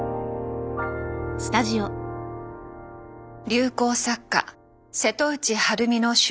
流行作家瀬戸内晴美の出家騒動。